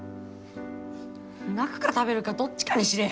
泣くか食べるかどっちかにしれ。